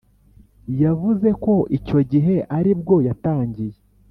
yavuzeko icyo gihe aribwo yatangiye